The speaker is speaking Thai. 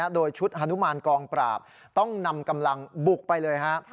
โดยชุดฮานุมานกองปราบต้องนำกำลังบุกไปเลยฮะ